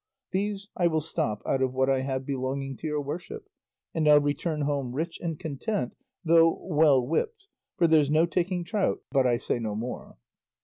These I will stop out of what I have belonging to your worship, and I'll return home rich and content, though well whipped, for 'there's no taking trout' but I say no more."